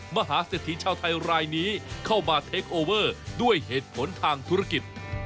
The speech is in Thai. มหาเศรษฐีชาวไทยรายนี้เข้ามาเทคโอเวอร์ด้วยเหตุผลทางธุรกิจ